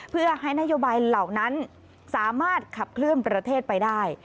เพื่อให้นโยบายเหล่านั้นสามารถขับเคลื่อนประเทศไปได้